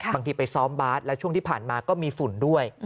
ไปซ้อมบาสแล้วช่วงที่ผ่านมาก็มีฝุ่นด้วย